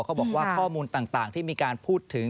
เขาบอกว่าข้อมูลต่างที่มีการพูดถึง